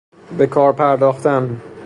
به کار پرداختن